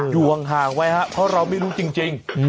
อยู่ห่างไว้ครับเพราะเราไม่รู้จริง